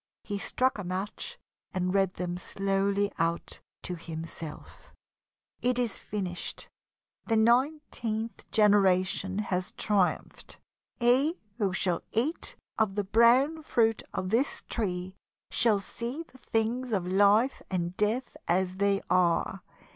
He struck a match and read them slowly out to himself: "It is finished. The nineteenth generation has triumphed. He who shall eat of the brown fruit of this tree shall see the things of Life and Death as they are.